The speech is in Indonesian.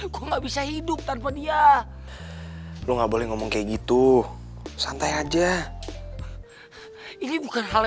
kok nggak bisa hidup tanpa dia lu nggak boleh ngomong kayak gitu santai aja ini bukan hal